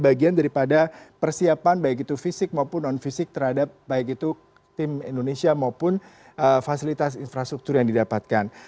bagian daripada persiapan baik itu fisik maupun non fisik terhadap baik itu tim indonesia maupun fasilitas infrastruktur yang didapatkan